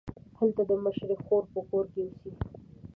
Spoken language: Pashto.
هلته د مشرې خور په کور کې اوسي.